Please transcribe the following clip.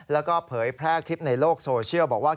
แล้วก็เผยแพร่คลิปในโลกโซเชียลบอกว่า